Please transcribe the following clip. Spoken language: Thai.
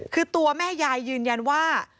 คือตัวแม่ยายยืนยันว่า